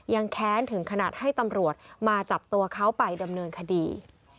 แค้นถึงขนาดให้ตำรวจมาจับตัวเขาไปดำเนินคดี